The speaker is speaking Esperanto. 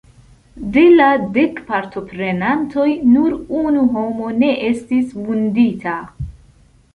De la dek partoprenantoj, nur unu homo ne estis vundita.